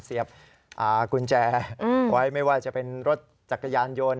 เสียบกุญแจไว้ไม่ว่าจะเป็นรถจักรยานยนต์